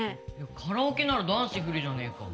カラオケなら男子不利じゃねえか。